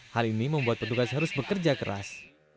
hal ini membuat petugas harus bekerja keras